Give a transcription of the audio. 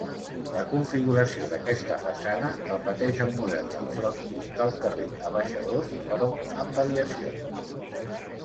La configuració d'aquesta façana repeteix el model del frontis del carrer Abaixadors però amb variacions.